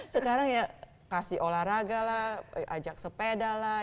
sekarang ya kasih olahraga lah ajak sepeda lah